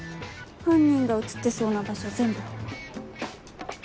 犯人が写ってそうな場所全部。